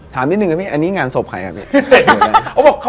ถามนิดนึงอ่ะพี่อันนี้งานศพใครอ่ะพี่